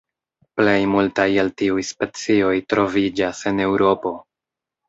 Plej multaj el tiuj specioj troviĝas en Eŭropo.